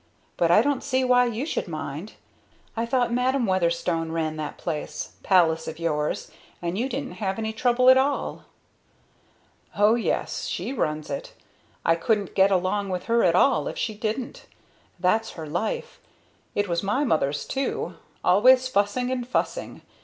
"But I don't see why you should mind. I thought Madam Weatherstone ran that palace, of yours, and you didn't have any trouble at all." "Oh yes, she runs it. I couldn't get along with her at all if she didn't. That's her life. It was my mother's too. Always fussing and fussing.